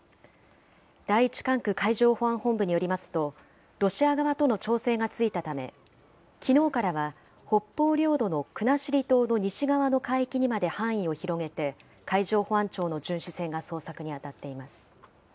第１管区海上保安本部によりますと、ロシア側との調整がついたため、きのうからは北方領土の国後島の西側の海域にまで範囲を広げて、海上保安庁の巡視船が捜索に当たっています。